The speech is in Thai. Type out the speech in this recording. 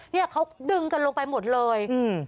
เขาดึงกันลงไปหมดเลย